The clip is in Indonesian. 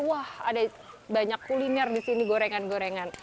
wah ada banyak kuliner di sini gorengan gorengan